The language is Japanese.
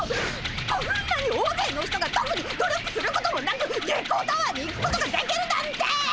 こんなに大勢の人がとくに努力することもなく月光タワーに行くことができるなんて！